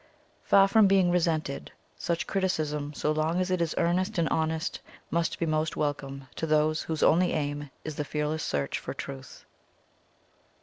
Far from being resented, such criticism, so long as it is earnest and honest, must be most welcome to those whose only aim is the fearless search for truth.